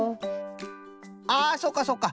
ああそうかそうか。